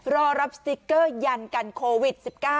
รอรับสติ๊กเกอร์ยันกันโควิด๑๙